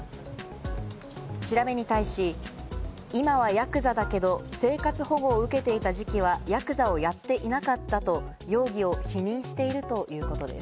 調べに対し、今はヤクザだけれども、生活保護を受けていた時期はヤクザをやっていなかったと容疑を否認しているということです。